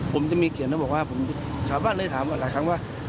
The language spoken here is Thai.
ผมจะมีเขียนแล้วบอกว่าชาวบ้านเลยถามหลายครั้งว่า